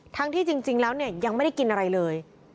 ที่จริงแล้วเนี่ยยังไม่ได้กินอะไรเลย